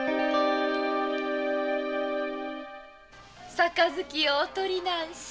さ杯をお取りなんし。